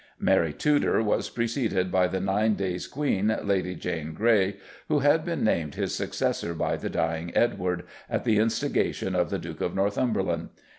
Mary Tudor was preceded by the nine days' "Queen," Lady Jane Grey, who had been named his successor by the dying Edward, at the instigation of the Duke of Northumberland.